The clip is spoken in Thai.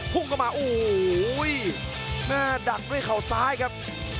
พุ่งกลัวมาโอ๊ยดัดด้วยเขาซ้ายครับ